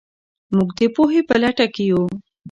موږ د پوهې په لټه کې یو.